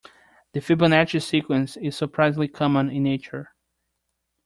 The Fibonacci sequence is surprisingly common in nature.